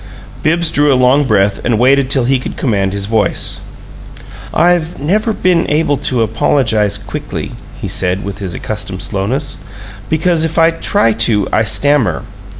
Bibbs drew a long breath and waited till he could command his voice. "I've never been able to apologize quickly," he said, with his accustomed slowness, "because if I try to I stammer.